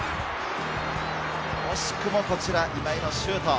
惜しくもこちら、今井のシュート。